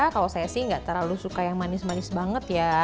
kalau saya sih nggak terlalu suka yang manis manis banget ya